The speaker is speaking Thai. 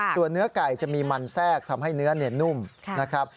ส่วนเนื้อไก่จะมีมันแทรกทำให้เนื้อเนียนนุ่มนะครับ